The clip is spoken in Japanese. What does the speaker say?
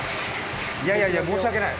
いやいやいや、申し訳ない。